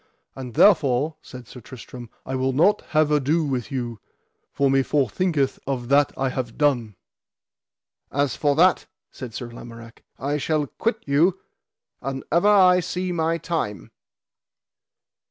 And therefore, said Sir Tristram, I will not have ado with you, for me forthinketh of that I have done. As for that, said Sir Lamorak, I shall quit you, an ever I see my time.